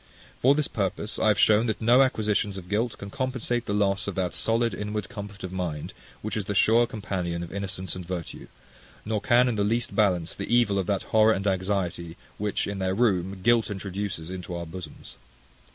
For this purpose I have shown that no acquisitions of guilt can compensate the loss of that solid inward comfort of mind, which is the sure companion of innocence and virtue; nor can in the least balance the evil of that horror and anxiety which, in their room, guilt introduces into our bosoms.